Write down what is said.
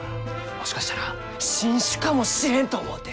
もしかしたら新種かもしれんと思うて！